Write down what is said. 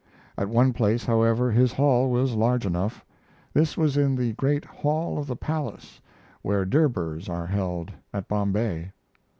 At one place, however, his hall was large enough. This was in the great Hall of the Palace, where durbars are held, at Bombay.